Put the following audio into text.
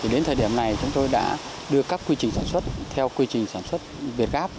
đến thời điểm này chúng tôi đã đưa các quy trình sản xuất theo quy trình sản xuất việt gáp